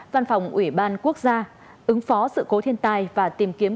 văn phòng ủy ban quốc gia ứng phó sự cố thiên tai và tìm kiếm